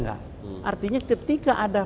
artinya ketika ada